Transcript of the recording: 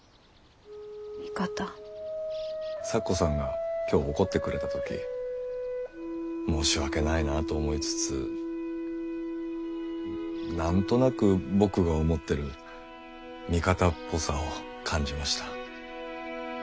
咲子さんが今日怒ってくれた時申し訳ないなと思いつつ何となく僕が思ってる味方っぽさを感じました。